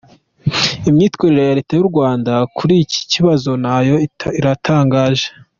Imyitwarire ya Leta y’u Rwanda kuri iki kibazo nayo iratangaje.